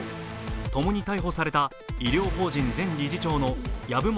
共に逮捕された医療法人前理事長の籔本